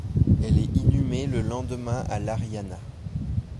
Elle est inhumée le lendemain à l'Ariana.